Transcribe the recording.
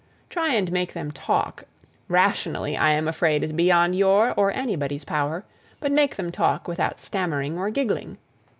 try and make them talk, rationally, I am afraid is beyond your or anybody's power; but make them talk without stammering or giggling.